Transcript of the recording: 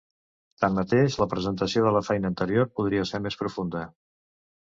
Tanmateix, la presentació de la feina anterior podria ser més profunda.